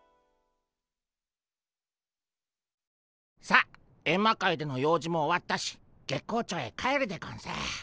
さっエンマ界での用事も終わったし月光町へ帰るでゴンス。